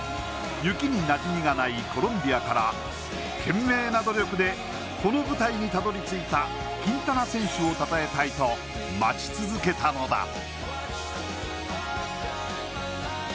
雪になじみがないコロンビアから懸命な努力でこの舞台にたどり着いたキンタナ選手をたたえたいと待ち続けたのだ。